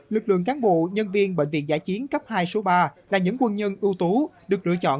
lực lượng cán bộ nhân viên bệnh viện giã chiến cấp hai số ba là những quân nhân ưu tú được lựa chọn